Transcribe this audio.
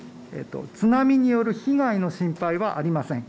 津波による被害の心配はありません。